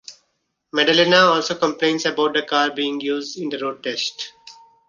Madalena also complains about the car being used in the road test.